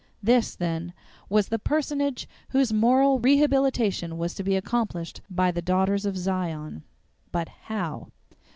This, then, was the personage whose moral rehabilitation was to be accomplished by the Daughters of Zion. But how?